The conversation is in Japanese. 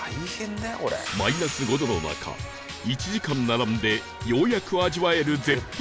マイナス５度の中１時間並んでようやく味わえる絶品グルメとは？